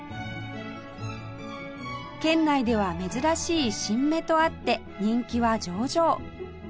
県内では珍しい神馬とあって人気は上々